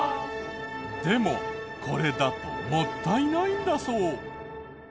でもこれだともったいないんだそう。